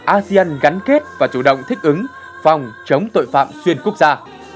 asean gắn kết và chủ động thích ứng phòng chống tội phạm xuyên quốc gia